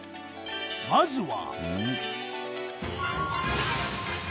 まずは。